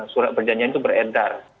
surat perjanjian itu beredar